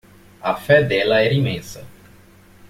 A fé dela era imensa.